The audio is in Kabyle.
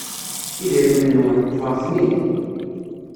idrimen-nwen, ṭṭfeɣ-ten-id.